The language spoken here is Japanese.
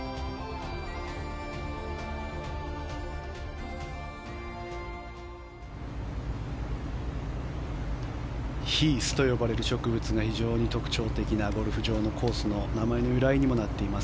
はぁヒースといわれる植物が非常に特徴的なゴルフ場のコースの名前の由来にもなっています